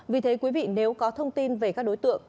vì thế quý vị nếu có thông tin về các đối tượng